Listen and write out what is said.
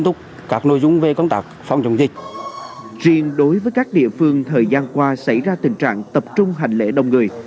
thời gian qua xảy ra tình trạng tập trung hành lễ đông người